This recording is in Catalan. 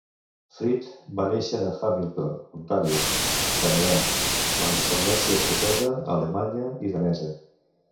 Frid va néixer a Hamilton, Ontario, Canadà, amb ascendència escocesa, alemanya i danesa.